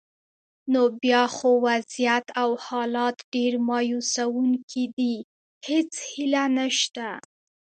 نو بیا خو وضعیت او حالات ډېر مایوسونکي دي، هیڅ هیله نشته.